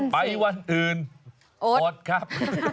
ไปวันอื่นโอ๊ดครับ